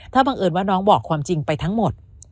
ถ้าบังเอิญว่าน้องบอกความจริงไปทั้งหมด